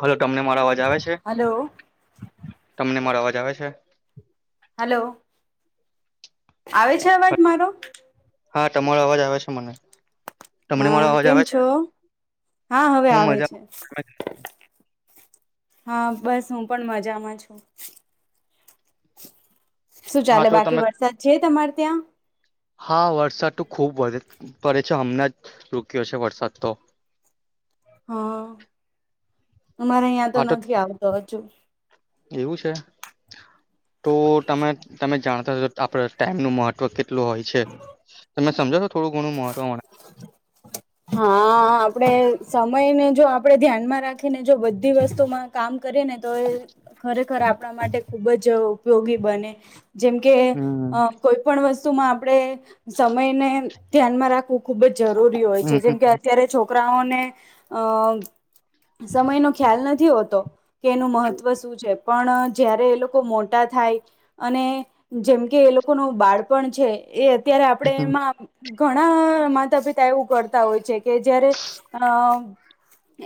Hello તમને મારો અવાજ આવે છે હલો તમને મારો અવાજ આવે છે? હાલો આવે છે અવાજ મારો? હા તમારો અવાજ આવે છે મને. તમને મારો હા અવાજ કેમ આવે છે છો હા હવે હું આવે છે. મજામાં હા બસ. હું પણ મજામાં છું. શું હા ચાલે તો બાકી તમે વરસાદ છે? તમારે ત્યાં? હા વરસાદ તો ખુબ વધે્ પડે છે. હમણાં જ રૂક્યો છે વરસાદ તો હા અમારે અહીયાં તો નથી આવતો હજુ. એવું છે? ટો ટમે ટમે જાણતા જ હશો આપડે ટાઈમનું મહટ્વ કેટ લું હોય છે. તમે સમજાવશો થોડું ઘણું મહટ્વ મને? હા.. આપડે સમયને જો આપણેે ધ્યાનમાં રાખીને જો બધી વસ્તુમાં કામ કરીએ ને તો એ ખરેખર આપણા માટે ખુબ જ ઉપયોગી બને જેમ કે, હમ અ કોઈપણ વસ્તુમાં આપણે સમયને ધ્યાનમાં રાખવું ખુબ જ જરૂરી હોય હમ છે. કેમ કે અત્યારે છોકરાઓને અ સમયનો ખ્યાલ નથી હોતો એનું મહત્વ શું છે? પણ જ્યારે એ લોકો મોટા થાય અને જેમ કે, એ લોકોનું બાળપણ છે એ અત્યારે આપડે હમ એમાં ઘણાં માતા પિતા એવું કર તા હોય છે કે જ્યારે અ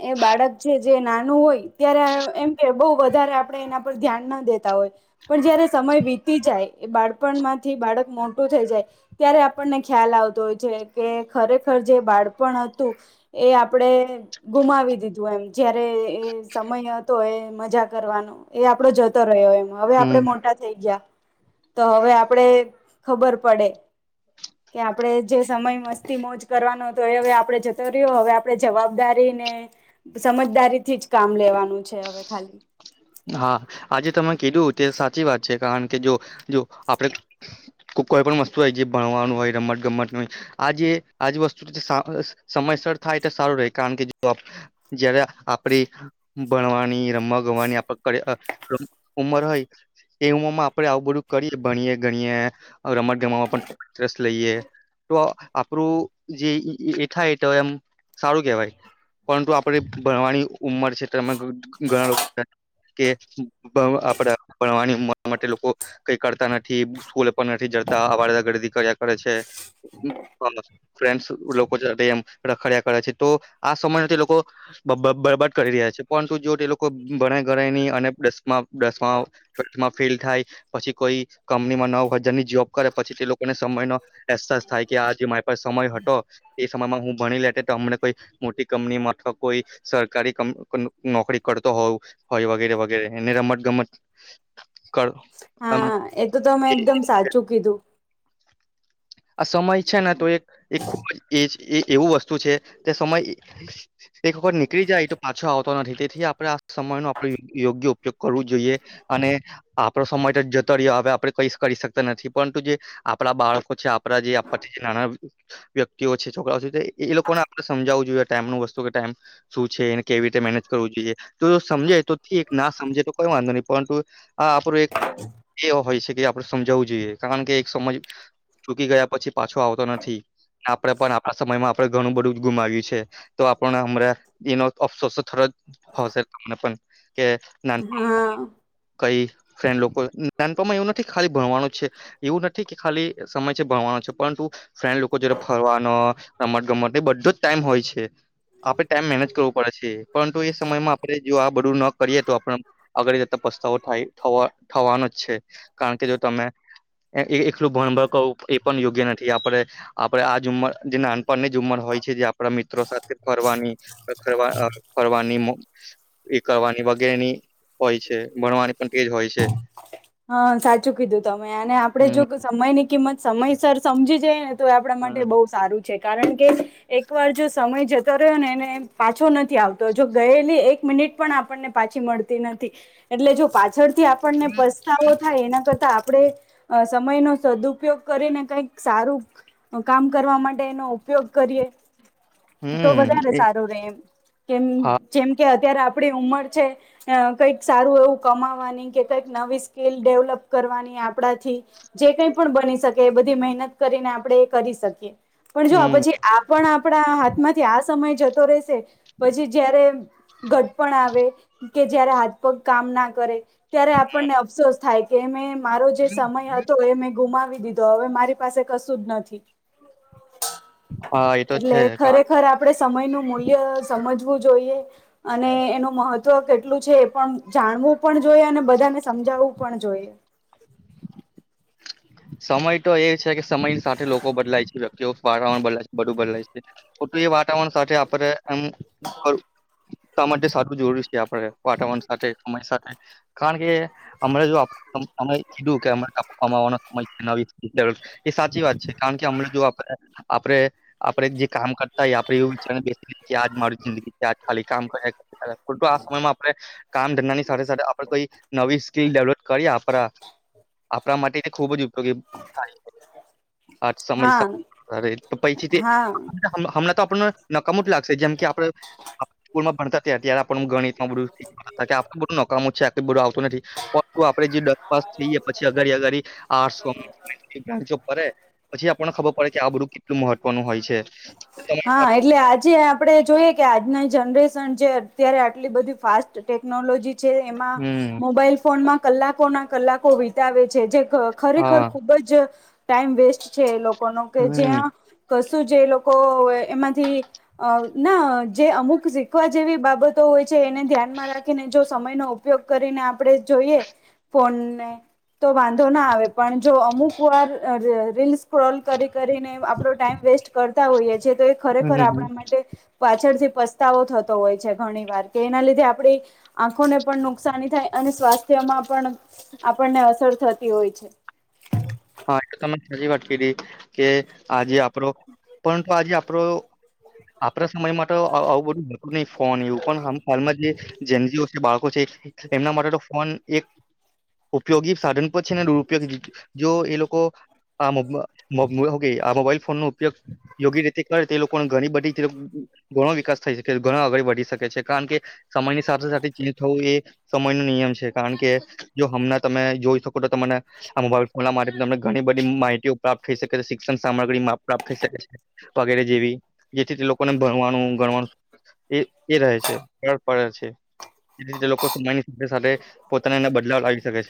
એ બાળક છે જે નાનું હોય ત્યારે એમ કે બઉ વધારે આપડે એના પર ધ્યાન ન દે તા હોય પણ જ્યારે સમય વીતી જાય એ બાળપણમાંથી બાળક મોટું થઈ જાય ત્યારે આપણને ખ્યાલ આવતો હોય છે કે ખરેખર જે બાળપણ હતું એ આપડે ગુમાવી દીધું એમ. જ્યારે એ સમય હતો એ મજા કરવાનો એ આપડો જતો રહ્યો એમ. હવે આપડે હમ મોટા થ થઈ ગ્યા તો હવે આપડે ખબર પડે કે આપડે જે સમય મસ્તી મોજ કરવાનો તો એ હવે આપડે જતોર્યો. હવે આપડે જવાબદારીને સમજદારીથી જ કામ લેવાનું છે હવે ખાલી હા આજે તમે કીધું તે સાચી વાત છે. કારણ કે, જો જો આપડે કોઈ પણ વસ્તુ હોય જે ભણવાનું હોય રમ્મટ ગમ્મટનુ હોય આજે આજ વસ્તુ તે સા સમયસર થાય તો સારું રેય. કારણ કે, જો જ્યારે આપડી ભણવાની રમવા ગમવાની [unintelligible] ઉંમર હોય એ ઉમરમાં આપડે આવું બધું કરીયે ભણીયે ગણીયે રમટ ગમટમાં પણ ઇન્ટરસ્ લઈએ તો આપરૂ જે એ ઠાય એ તો એમ સારું કેવાય પરંતુ આપણે ભણવાની ઉંમર છે. તો એમાં ઘઘઘણા લોકો કે બવ આપડા ભણવાની ઉંમર માટે લોકો કંઈ કરતા નથી. સ્કૂલે પણ નથી જડતા આવારાગરદી કર્યા કરે છે. [unintelligible] ફ્રેન્ડ્સ્ લોકો સાથે એમ રખડિયા કરે છે તો આ સમયને તે લોકો બબબરબાદ કરી રહ્યા છે. પરંતુ જો ટે લોકો ભણે ગણે ની ને ડસમાં ડસમાં માં ફેલ થાય પછી કોઈ કંપનીમાં નવ હજારની જોબ કરે પછી તે લોકોને સમયનો અહેસાસ થાય કે આ જે મારી પાસે સમય હટો એ સમયમાં હું ભણી લેટે ટો અમને કોઈ મોટી કંપનીમાં અથવા કોઈ સરકારી કં નોકરી કરતો હોવ હોય વગેરે વગેરે એને રમટ ગમટ કર આમ હા એ તો તમે એકદમ સાચું કીધું. આ સમય છે ને તો એક એ એવું વસ્તુ છે કે સમય એક વખત નીકળી જાય તો પાછો આવતો નથી. તેથી આપડે આ સમય નો આપડે યોગ્ય ઉપયોગ કરવો જોઈએ અને આપડો સમય જ જતો રહ્યો હવે આપડે કઈસ કરી શકતા નથી પરંતુ જે બાળકો છે આપ આપડા જે આ [unintelligible] વ્યક્તિઓ છે છોકરાઓ છે ટોએ લોકોને આપડે સમજાવું જોઈએ ટાઈમ ન વસ્તુ કે ટાઈમ શું છે એને કેવી રીતે મેનેજ કરવું જોઈએ તો સમજે તો થીક ના સમજે તો કોઈ વાંધો નહી પરંતુ આ આપડું એક એ હોય છે કે આપડે સમજાવવું જોઈએ કારણ કે એક સમય ચૂકી ગયા પછી પાછો આવતો નથી આપડે પણ આપડા સમયમાં આપડે ઘણું બધું જ ગુમાવ્યું છે. તો આપણે હમરા ઈનો અફસોસ થયો હશે તમને પણ કે નાનપણમાં હા કઈ ફ્રેન્ડ લોકો નાનપણમાં એવું નથી ખાલી ભણવાનું છે એવું નથી કે ખાલી સમય છે ભણવાનો છે પરંટુ ફ્રેન્ડ લોકો જોડે ફરવાનો રમટ ગમટ એ બધો જ ટાઈમ હોય છે. આપડણે ટાઈમ મેનેજ કરવું પડે છે પરંતુ એ સમયમાં આપડે જો આ બધું ન કરીએ તો આપડા આગળ જતા પસ્તાવો થાય થવાનો જ છે કારણ કે જો તમે એ એકલું ભણભણ કવું એ પણ યોગ્ય નથી આપડે આપડણે આ જ ઉમર જે નાનપણની જ ઉમર હોય છે જે આપડા મિત્રો સાથે ફરવાની રખડવા અહ ફરવારની મો એ કરવાની વગેરે ની હોય છે ભણવાની પણ તેજ હોય છે. હા સાચું કીધું તમે અને આપડે હમ જો સમયની કિંમત સમયસર સમજી જાયને તો એ આપડા માટે હમ બહુ સારું છે કારણ કે એક વાર જો સમય જતો રહ્યો ને એને પાછો નથી આવતો જો ગયેલી એક મિનિટ પણ આપણને પાછી મળતી નથી એટલે જો પાછળથી આપણને પસ્તાવો થાય એના કરતા આપડે અહ સમય નો સદુપયોગ કરીને કઈક સારું અહ કામ કરવા માટે એનો ઉપયો કરીએ તો હમ વધારે એ સારુ રહેે એમ. કેમ હા જેમ કે અત્યારે આપડી ઉમર છે અહ કઈક સારું એવું કમાવાની કે કઈક નવી સ્કીલ ડેવલપ કરવાની આપડાથી જે કઈ પણ બની શકે એ બધી મહેનત કરીને આપડે એ કરી શકીએ. પણ જો હમ પછી આ પણ આપડા હાથમાંથી આ સમય જતો રહેશે પછી જયારે ઘડપણ આવે કે જયારે હાથ પગ કામ ના કરે ત્યારે આપણને અફસોસ થાય. કે મેં મારો જે સમય હતો એ મેં ગુમાવી દીધો હવે મારી પાસે કશું જ નથી. હા એ તો એટલે છે કારણ ખરેખર આપડે સમય નું મૂલ્ય સમજવું જોઈએ અને એનું મહત્વ કેટલું છે એ પણ જાણવું પણ જોઈએ અને બધાને સમજાવવું પણ જોઈએ. સમય તો એ છે કે સમયની સાથે લોકો બદલાય છે લખજો વાતાવરણ બદલાય છે બધું બદલાય છે તો એ વાતાવરણ સાથે આપરે એમ કરું તમા માટે સારું જરૂરી છે આપડે વાતાવરણ સાથે સમય સાથે. કારણ કે અમે જો અમને જોમે કીધું કે અ કપવામાંવાનું વી [unintelligible] એ સાચી વાત છે કારણ કે હમણા જો આપણે આપડે આપડે જે કામ કરતાય આપડે એવું વિચાર બેસીઐ કે આજ મારી જિંદગી આજ ખાલી કામ ખોટું આ સમયમાં આપડે કામ ધંધાની સાથે સાથે આપડે કોઈ નવી સ્કીલ ડેવલોપ કરીએ આપડા આપડા માટે કે ખુબ જ ઉપયોગી થાય આ સમય હા [unintelligible] તો હા [unintelligible] હમણાં તો આપણને નકામુ જ લાગશે જેમ કે આપડે સ્કૂલમાં ભણતા ત્યારે આપડે ગણીતમાં બધું આપું બધું નકામું છે આખ બધું આવતું નથી પર આપડે જે દસ પાસ થઈએ પછી અગાળી આર્ટસ કોમર્સ બ્રાન્ચો પપરે પછી આપણને ખબર પડે કે આ બધું કેટલું મહત્વનું હોય છે. તમારી હા સાથે- એટલે આજે આપ ડે જોઈએ કે આજના જનરેશન જે અત્યારે આટલી બધી ફાસ્ટ ટેકનોલોજી જે એમાં હમ મોબાઈલ ફોનમાં કલાકો ના કલાકો વિતાવે છે જે ઘ ખરેખર હા ખૂબ જ ટાઈમ વેસ્ટ છે એ લોકો નો કે હમ જ્યાં કશું જે લોકો એમાંથી અહ ના જે અમુક શીખવા જેવી બાબત તો હોય છે એને ધ્યાનમાં રાખીને જો સમયનો ઉપયોગ કરીને આપણે જોઈએ ફોનને તો વાંધો ના આવે પણ જો અમુક વાર ર રીલ સક્રોલ કરી કરીને આપણો ટાઈમ વેસ્ટ કરતા હોઈએ છે તો એ હમ ખરેખર હમ. આપણા માટે પાછળથી પસ્તાવો થતો હોય છે ઘણી વાર કે એના લીધે આપડી આંખોને પણ નુકસાની થાય અને સ્વાસ્થ્યમાં પણ આપણને અસર થતી હોય છે. હા એ તમે સાચી વાત કયરી કે આજે આપડો પરંતુ આજે આપડો આપડા સમય મા તો આ આઉં બધું બિલકુલ નઈ ફોન એવું પણ હમ હાલમાં જે જેનજીઓ છે બાળકો છે એમના માટે તો ફોન એક ઉપયોગી સાધન પર છે ને દુરપયોગી જો એ લોકો આ મોગ માં [unintelligible] આ મોબાઈલ ફોન નો ઉપયોગ યોગ્ય રીતે કરે તે લોકોને ઘણી બધી [unintelligible] ઘણો વિકાસ થઈ શકે ઘણો આગળ વધી શકે છે કારણ કે સમયની સાથે સાથે ચીજ થવું એ સમય નો નિયમ છે કારણ કે જો હમણાં તમે જોઈ શકો તો તમને આ મોબાઈલ ઓના માધ્યમથી તમને ઘણી બધી માહિતીઓ પ્રાપ્ત થઈ શકે છે શિક્ષણ સામગ્રી માપ પ્રાપ્ત થઈ શકે છે. વગેરે જેવી જેથી તે લોકોને ભણવાનું ગણવાનું એ એ રહે છે બળ પડે છે એ રીતે લોકો સમયની સાથે સાથે પોતાનામાં બદલાવ લાવી સકે છે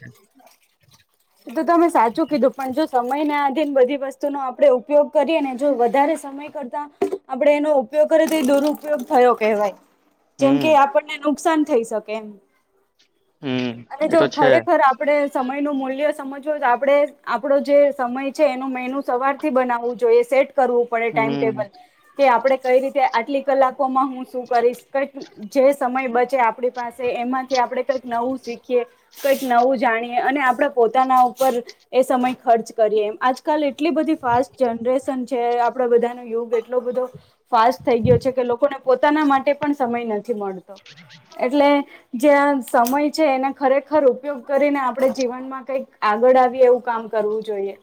હમ એ તો તમે સાચું કીધું પણ જો સમય ના આધીન બધી વસ્તુનો ઉપયોગ કરીએ ને જો વધારે સમય સમય કરતા આપડે એનો ઉપયોગ કરીએ તો એ એનો દુરુપયોગ થયો કેહેવાય જેમ હમ કે આપણને નુકસાન થઈ શકે હમ અને એ જો તો છે ખરેખર આપ ડે સમય નું મૂલ્ય સમજવો આપણેે આપણો જે સમય છે એનો મેનો સવાર થી બનાવું જોઈએ સેટ કરવું પડે ટાઈમ હમ ટેબલ કે આપડે કઈ રીતે આટલી કલાકોમાં હું શું કરીશ કઈક જે સમય બચે આપણી પાસે એમાંથી આપણે કઈક નવું શીખીએ કઈક નવું જાણીએ અને આપણેે પોતાના ઉપર એ સમય ખર્ચ કરીએ એમ આજકાલ એટલી બધી ફાસ્ટ જનરેશન છે આપણા બધાનો યોગ એટલો બધો ફાસ્ટ થઈ ગયો છે કે લોકોને પોતાના માટે પણ સમય ન થી મળતો એટલે જેયા સમય છે એને ખરેખર ઉપયોગ કરીને આપડણે જીવનમાં કઈક આગળ આવે એવું કામ કરવું જોઈએ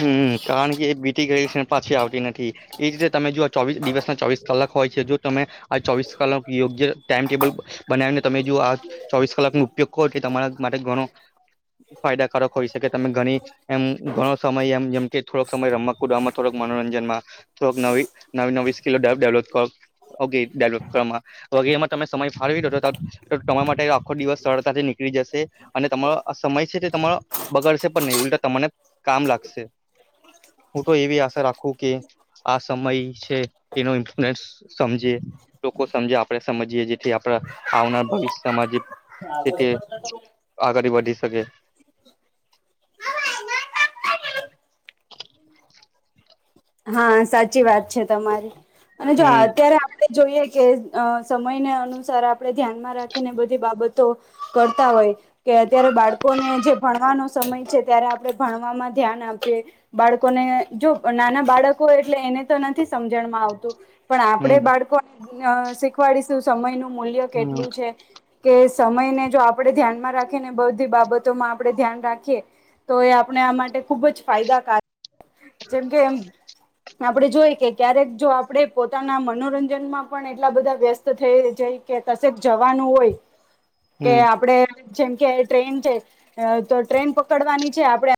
હમ્મ કારણ કે બીતી ગયેલ છે એ પાછી આવતી નથી એજ રીતે તમે જો ચોવીસ દિવસ ના ચોવીસ કલાક હોય છે જો તમે આ ચોવીસ કલાક યોગ્ય ટાઈમ ટેબલ બનાવીને તમે જો આ ચોવીસ કલાકનો ઉપયોગ કરો એ તમારા માટે ઘણો ફાયદાકારક હોય શકે તમે ઘણી એમ ઘણો સમય એમ જેમ કે થોડક સમય રમવાકુદમાં થોડક મનોરંજનમાં થોડક નવી નવી નવી [unintelligible] ડેવ ડેવલોપ કર ઓકે ડેવલોપ કરવા માં બાકી એ માં તમે સમય ફાળવી દો તો તો તમારા માટે આખો દિવસ સરળતાથી નીકળી જશે. અને તમારો સમય છે તે તમારો બગાડશે પણ નહીં ઉલટા તમને કામ લાગશે. હું તો એવી આશા રાખું કે આ સમય છે, એનો ઇંટનેશ સમજીએ લોકો સમજે આપણેે સમજીએ જેથી આપણા આવનાર ભવિષ્યમાં જે છે તે [unintelligible] આગળ વધી શકે. હા, સાચી વાત છે તમારી અને જો હમ અત્યારે આપણે જોઈએ, કે અ સમયને અનુસાર આપણેે ધ્યાનમાં રાખીને બધી બાબતો કરતા હોય, કે અત્યારે બાળકોને જે ભણવાનો સમય છે, ત્યારે આપણે ભણવામાં ધ્યાન આપી બાળકોને જો નાના બાળકો હોય એટલે એને તો નથી સમજણમાં આવતું પણ આપણે હમ બાળકોને શી ખવાડિશું સમય નું મૂલ્ય હમ કેટલું છે. કે સમયને જો આપણે ધ્યાન માં રાખીએ ને તો બધી બાબતોમાં આપડણે ધ્યાન રાખીએ, તો એ આપણે માટે આ માટે ખુબ જ ફાયદાકારક જેમ કે આપડણે જોઈ કે ક્યારેક જો આપણે પોતાના મનોરંજનમાં પણ એટલા બધા વ્યસ્ત થઈ જય કે કશેક જવાનું હોય, કે હમ આપડે જેમ કે ટ્રેન છે તો ટ્રેન પકડવાની છે, આપડે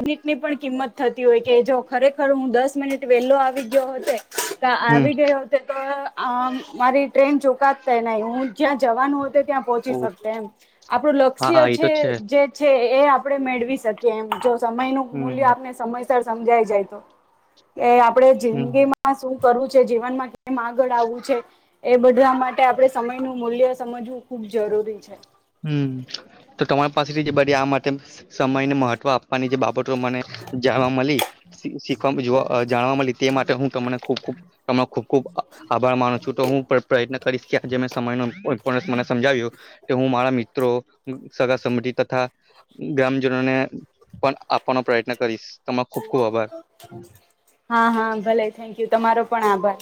મિનિટ ની પણ કિંમત થતી હોય કે જો ખરેખર હું દસ મિનિટ વેહેલો આવી ગયો હોત ને ત્યાં હમ આવી ગયો અ આમ મારી ટ્રેન ચુકાત નય હું જ્યાં જવાનું ત્યાં પહોંચી ઓહ, શકશે એમ આપણું હા લક્ષ્ય એ તો છે જે છે એ આપણેે મેળવી શકીએ એમ સમય નુ મૂલ્ય હમ આપને સમયસર સમજાય જાય તો કે આપણે હમ જિંદગીમાં શું કરવું છે જીવનમાં કેમ આગળ આવવું છે એ બધા માટે આપડે સમય નું મૂલ્ય સમજવું ખુબ જરૂરી છે હમ તો તમારી પાસેથી જે આ માટે સમય ને મહત્વ આપ મહત્વ આપવાની જે બાબતો મને જાણવા મળી શીખવા જોવા જાણવા મળી તે માટે હું તમને ખુબ ખુબ તમારો ખુબ ખુબ આભાર માનું છું તો હું પે પ્રયત્ન કરીશ કે આજે મેં સમયનો [inaudible] મને સમજાવ્યો કે હું મારા મિત્રો સગા સંબંધી તથા ગ્રામજનોને પણ આપવાનો પ્રયત્ન કરીશ તમારો ખુબ ખુબ આભાર હા હા ભલે થેન્ક યુ તમારો પણ આભાર